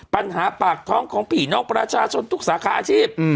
ปัญหาปากท้องของผีน้องประชาชนทุกสาขาอาชีพ